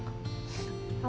rumayan gede gajinya